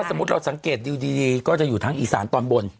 สมมุติเราสังเกตดีก็จะอยู่ทั้งอีสานตอนบน